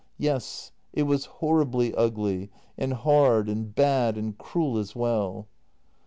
Yes, it was horribly ugly — and hard and bad and cruel as well.